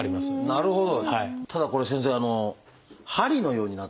なるほど。